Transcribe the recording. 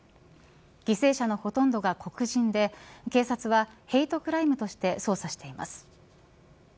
犠牲者のほとんどが黒人で警察はヘイトクライムとして捜査しています。